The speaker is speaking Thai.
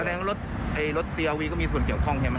แสดงรถทีเออวีก็มีส่วนเกี่ยวข้องใช่ไหมครับ